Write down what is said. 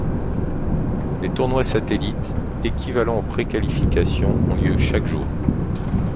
Des tournois satellites, équivalent aux préqualifications, ont lieu chaque jour.